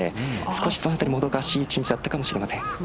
そのあたりもどかしい一日だったかもしれません。